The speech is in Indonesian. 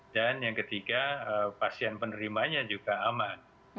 dan yang ketiga pasien penerimanya juga aman